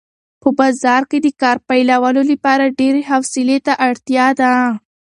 په بازار کې د کار پیلولو لپاره ډېرې حوصلې ته اړتیا ده.